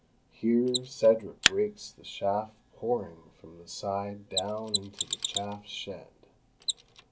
Here Cedric rakes the chaff pouring from the side down into the chaff shed.